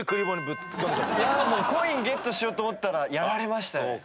コインゲットしようと思ったらやられましたね。